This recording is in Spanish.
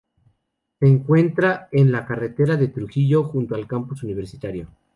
Se encuentra en la carretera de Trujillo, junto al Campus Universitario.